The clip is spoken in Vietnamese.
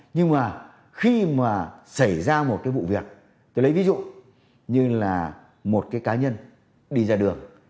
nhưng mà khi mà xảy ra một cái vụ việc tôi lấy ví dụ như là một cái cá nhân đi ra đường